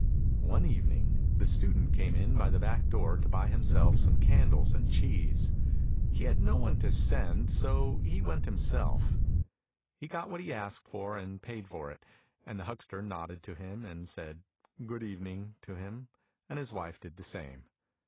One evening the student came in by the back door to buy himself some candles and cheese; he had no one to send, so he went himself. He got what he asked for and paid for it, and the huckster nodded to him and said " good evening " to him, and his wife did the same.